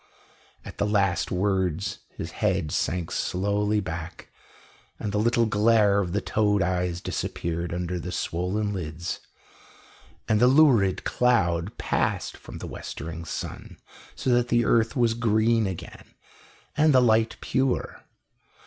At the last words his head sank slowly back, and the little glare of the toad eyes disappeared under the swollen lids; and the lurid cloud passed from the westering sun, so that the earth was green again and the light pure.